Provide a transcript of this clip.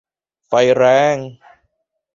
ไฟแรง !